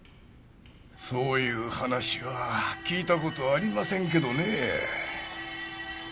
そういう話は聞いた事ありませんけどねえ。